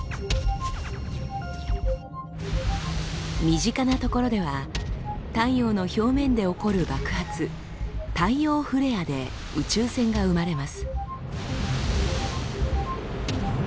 身近なところでは太陽の表面で起こる爆発「太陽フレア」で宇宙線が生まれます。